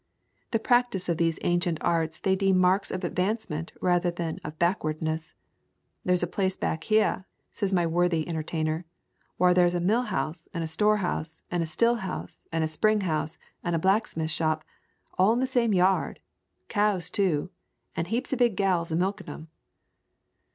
The practice of these ancient arts they deem marks of advancement rather than of backwardness. "There's a place back heah," said my worthy entertainer, "whar there's a mill house, an' a store house, an' a still house, an' a spring house, an' a blacksmith shop — all in the same yard! Cows too, an' heaps of big gals a milkin' them."